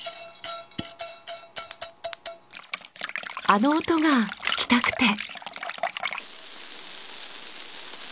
あの音が聞きたくて。